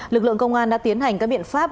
lực lượng công an đã tiến hành các biện pháp